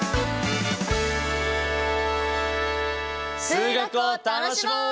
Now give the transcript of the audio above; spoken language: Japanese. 数学を楽しもう！